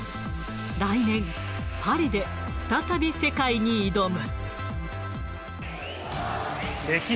来年、パリで再び世界に挑む。